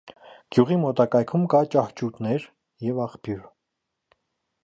Գյուղի մոտակայքում կա ճահճուտներ և աղբյուր։